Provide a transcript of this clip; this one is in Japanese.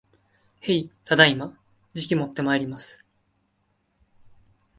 へい、ただいま。じきもってまいります